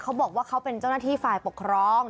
เขาบอกว่าเขาเป็นเจ้าหน้าที่ฝ่ายปกครอง